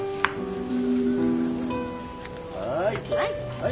はい。